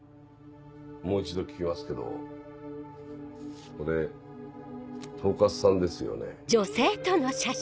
もう一度聞きますけどこれ統括さんですよね？